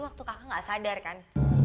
waktu kakak gak sadar kan